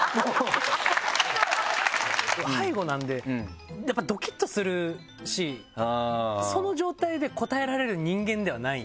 背後なのでやっぱドキっとするしその状態で答えられる人間ではない。